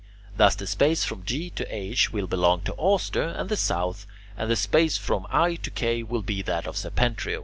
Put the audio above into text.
Thus the space from G to H will belong to Auster and the south, and the space from I to K will be that of Septentrio.